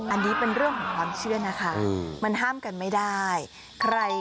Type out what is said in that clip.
อันนี้เป็นเรื่องของความเชื่อนะคะมันห้ามกันไม่ได้ใคร